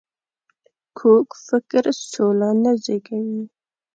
کوږ فکر سوله نه زېږوي